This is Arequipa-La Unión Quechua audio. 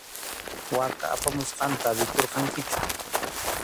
Waka apamusqanta rikurqankichu.